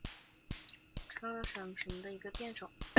长花柱虎耳草为虎耳草科虎耳草属下的一个变种。